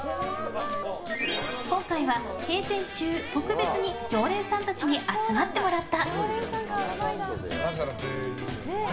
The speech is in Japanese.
今回は閉店中、特別に常連さんたちに集まってもらった。